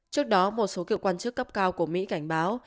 trước đó một số cựu quan chức cấp cao của mỹ cảnh báo